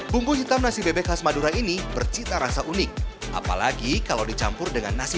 bumbu hitam nasi bebek khas madura ini bercita rasa unik apalagi kalau dicampur dengan nasi